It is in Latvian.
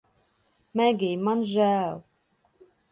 Megij, man žēl